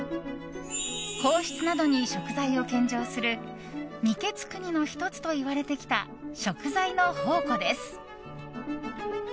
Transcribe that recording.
皇室などに食材を献上する御食国の１つといわれてきた食材の宝庫です。